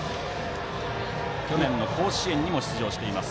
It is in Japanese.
去年の甲子園にも出場しています。